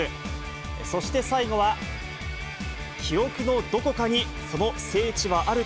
そして最後は、記憶のどこかに、その聖地はある。